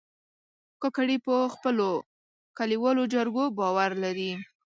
کاکړي په خپلو کلیوالو جرګو باور لري.